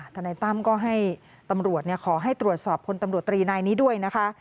นายตั้มก็ให้ตำรวจขอให้ตรวจสอบพลตำรวจตรีนายนี้ด้วยนะคะ